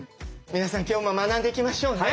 皆さん今日も学んでいきましょうね。